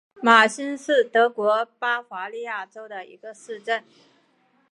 马兴是德国巴伐利亚州的一个市镇。